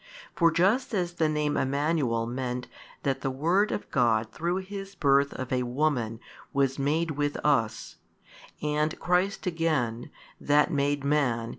For just as the name Emmanuel meant, that the Word of God through His Birth of a woman was made with us; and Christ again, that made Man.